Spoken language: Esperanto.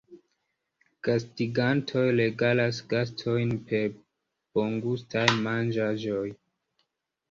Gastigantoj regalas gastojn per bongustaj manĝaĵoj.